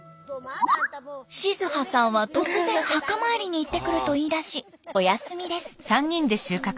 静波さんは突然墓参りに行ってくると言いだしお休みです。